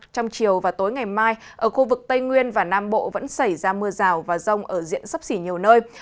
trong chiều và tối ngày mai ở khu vực tây nguyên và nam bộ vẫn xảy ra mưa rào và rông ở diện sắp xỉ nhiều nơi